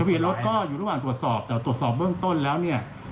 เบียนรถก็อยู่ระหว่างตรวจสอบแต่ตรวจสอบเบื้องต้นแล้วเนี่ย